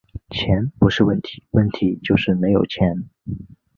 钱不是问题，问题就是没有钱